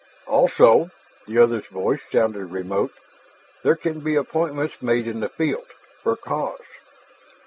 "Also," the other's voice sounded remote, "there can be appointments made in the field for cause.